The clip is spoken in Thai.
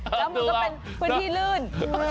แล้วมันก็รอดที่รื่น